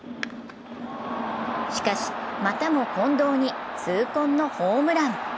しかし、またも近藤に痛恨のホームラン。